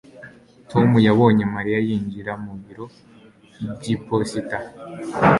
Tom yabonye Mariya yinjira mu biro byiposita